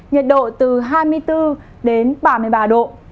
nhiệt độ từ hai mươi bốn đến ba mươi ba độ